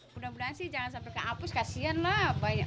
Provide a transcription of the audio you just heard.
mudah mudahan sih jangan sampai dihapus kasian lah